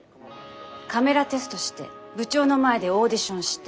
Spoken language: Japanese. カメラテストして部長の前でオーディションしてそれから。